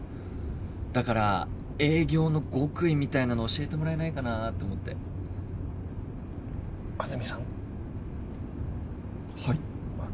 だから営業の極意みたいなの教えてもらえないかなと思って安積さんはい？